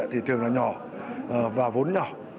thì thường là nhỏ và vốn nhỏ